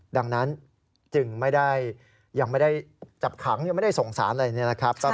ดังนั้นจึงไม่ได้จับขังยังไม่ได้สงสารอะไรแบบนี้